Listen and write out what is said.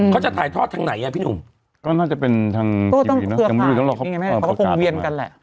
เขาจะถ่ายทอดทางไหนอ่ะพี่หนุ่มก็น่าจะเป็นทางยังไม่รู้หรอกเขาก็คงเวียนกันแหละ